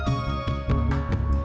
gak usah banyak ngomong